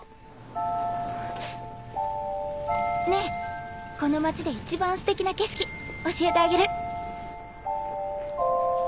ねぇこの街で一番ステキな景色教えてあげる。